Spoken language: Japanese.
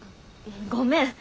ごめん。